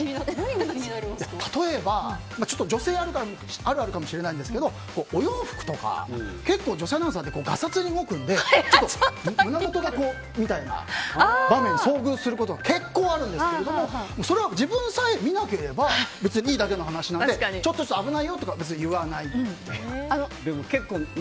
例えば、女性あるあるかもしれないんですけどお洋服とか結構、女性アナウンサーってガサツに動くんでちょっと胸元がみたいな場面に遭遇すること結構あるんですけどそれは自分さえ見なければ別にいいだけの話なのでちょっと危ないよとか別に、言わない。